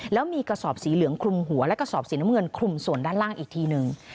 แล้วมีกระสอบสีเหลืองคลุมหัวและกระสอบสีน้ำเงินคลุมส่วนด้านล่างอีกทีหนึ่ง